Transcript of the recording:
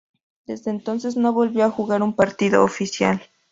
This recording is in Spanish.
Desde entonces, no volvió a jugar un partido oficial.